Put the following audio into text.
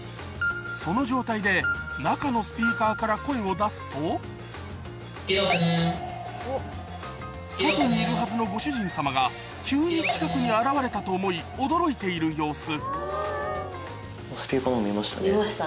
その状態で中のスピーカーから声を出すと外にいるはずのご主人様が急に近くに現れたと思い驚いている様子